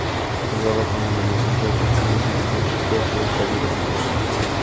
Jugaba como mediocentro defensivo y su último equipo fue Talleres de Córdoba.